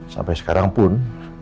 sampai sekarang pun